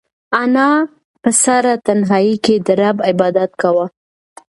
انا په سړه تنهایۍ کې د رب عبادت کاوه.